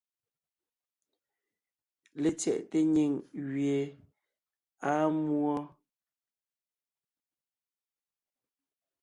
LetsyɛꞋte nyìŋ gẅie àa múɔ.